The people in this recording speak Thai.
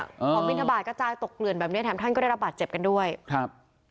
ของบินทบาทกระจายตกเกลื่อนแบบเนี้ยแถมท่านก็ได้รับบาดเจ็บกันด้วยครับ